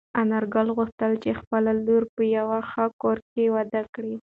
انارګل غوښتل چې خپله لور په یوه ښه کور کې واده کړي.